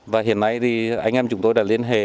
và hiện nay thì anh em chúng tôi đã liên hệ